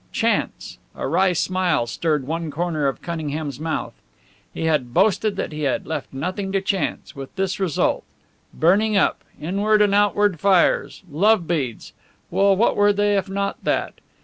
Chance! A wry smile stirred one corner of Cunningham's mouth. He had boasted that he had left nothing to chance, with this result! Burning up! Inward and outward fires! Love beads! Well, what were they if not that?